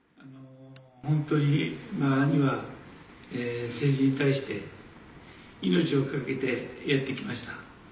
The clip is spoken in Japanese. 本当に兄は政治に対して命をかけてやってきました。